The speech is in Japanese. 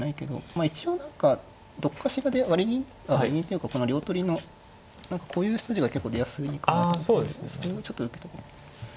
まあ一応何かどっかしらで割り銀割り銀っていうかこの両取りの何かこういう筋が結構出やすいかなと思ったけどそれをちょっと受けとこう。